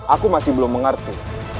aku masih belum mengerti